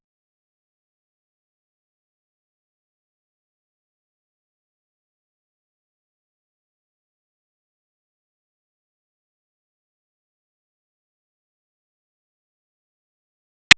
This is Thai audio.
โปรดติดตามต่อไป